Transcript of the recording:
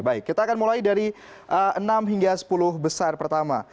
baik kita akan mulai dari enam hingga sepuluh besar pertama